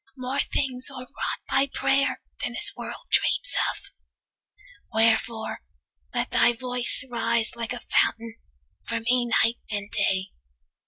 More things are wrought by prayer Than this world dreams of. Wherefore, let thy voice Rise like a fountain for me night and day.